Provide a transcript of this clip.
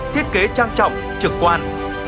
thiết kế trang trọng trực quan